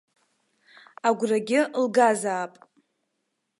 Агәрагьы лгазаап!